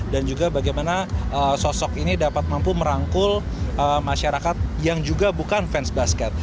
dan juga bagaimana sosok ini dapat mampu merangkul masyarakat yang juga bukan fans basket